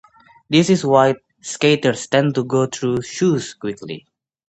This is why skaters tend to go through shoes quickly.